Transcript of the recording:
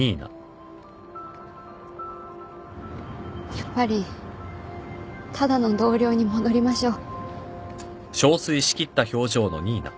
やっぱりただの同僚に戻りましょう。